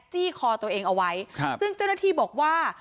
จี้คอตัวเองเอาไว้ครับซึ่งเจ้าหน้าที่บอกว่า